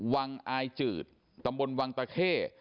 อายจืดตำบลวังตะเข้